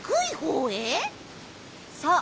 そう。